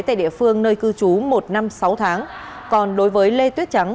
tại địa phương nơi cư trú một năm sáu tháng còn đối với lê tuyết trắng